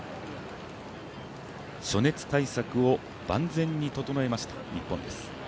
暑熱対策を万全に整えました日本です。